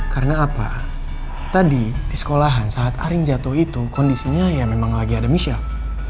karena apa tadi di sekolahan saat arin jatuh itu kondisinya ya memang lagi ada michelle